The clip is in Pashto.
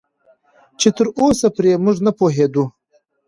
چې تراوسه پرې موږ نه پوهېدو